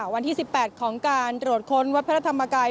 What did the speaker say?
วันที่๑๘ของการตรวจค้นวัดพระธรรมกาย